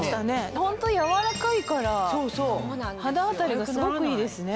ホント柔らかいから肌当たりがすごくいいですね。